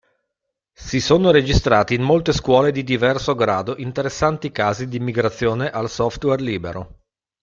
Si sono registrati in molte scuole di diverso grado interessanti casi di migrazione al software libero.